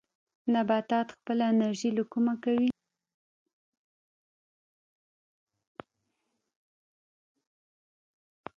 نباتات خپله انرژي له کومه کوي؟